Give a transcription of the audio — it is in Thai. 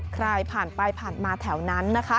ใครผ่านไปผ่านมาแถวนั้นนะคะ